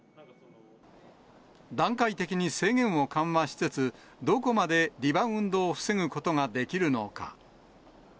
段階的に制限を緩和しつつ、どこまでリバウンドを防ぐことができるのか。